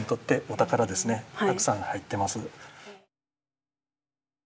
たくさん入ってます。